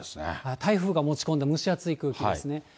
台風が持ち込んだ蒸し暑い空気ですね。